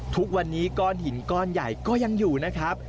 ทุกวันนี้ก้อนหินก้อนใหญ่ก็ยังอยู่นะครับ